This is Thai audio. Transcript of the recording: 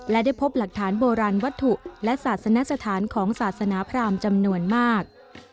และได้พบหลักฐานโบราณวัตถุและศาสนสถานของศาสนาพรามจำนวนมาก